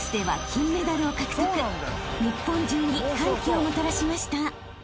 ［日本中に歓喜をもたらしました］